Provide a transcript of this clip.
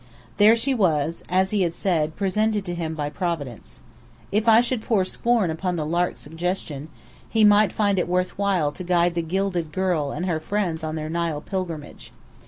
There she was, as he had said, presented to him by Providence. If I should pour scorn upon the Lark suggestion, he might find it worth while to guide the Gilded Girl and her friends on their Nile pilgrimage.